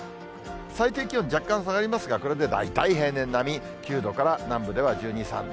最低気温、若干下がりますが、これで大体平年並み、９度から、南部では１２、３度。